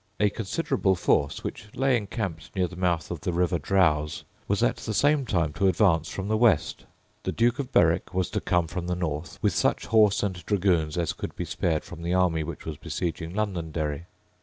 A considerable force, which lay encamped near the mouth of the river Drowes, was at the same time to advance from the west. The Duke of Berwick was to come from the north, with such horse and dragoons as could be spared from the army which was besieging Londonderry.